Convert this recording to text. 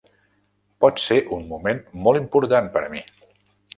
Pot ser un moment molt important per a mi.